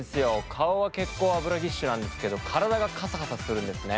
顔は結構脂ギッシュなんですけど体がカサカサするんですね。